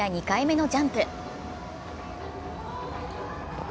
２回目のジャンプ。